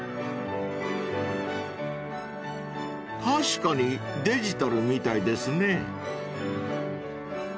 ［確かにデジタルみたいですね］